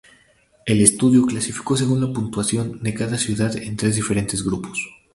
El estudio clasificó según la puntuación de cada ciudad en tres diferentes grupos.